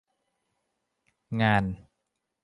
งาน